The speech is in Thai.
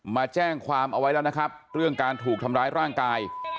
มาแจ้งความเอาไว้แล้วนะครับเรื่องการถูกทำร้ายร่างกาย